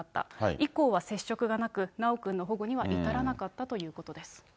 以降は接触がなく、修くん保護には至らなかったということです。